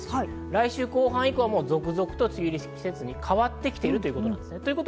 来週後半以降は続々と梅雨入りの季節に変わってきているということなんですね。